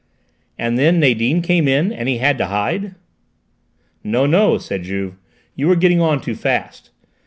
"And then Nadine came in, and he had to hide?" "No, no!" said Juve, "you are getting on too fast.